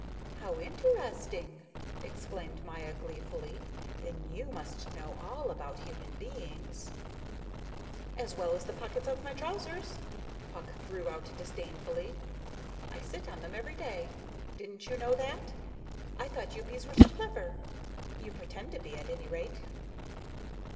"How interesting!" exclaimed Maya gleefully. "Then you must know all about human beings." "As well as the pockets of my trousers," Puck threw out disdainfully. "I sit on them every day. Didn't you know that? I thought you bees were so clever. You pretend to be at any rate."